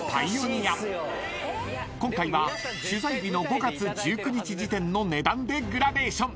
［今回は取材日の５月１９日時点の値段でグラデーション］